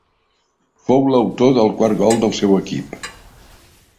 Fou l'autor del quart gol del seu equip.